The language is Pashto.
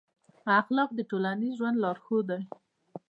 اخلاق د ټولنیز ژوند لارښود دی.